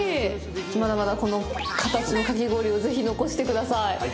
まだまだ、この形のかき氷をぜひ残してください。